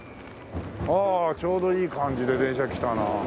ああちょうどいい感じで電車来たな。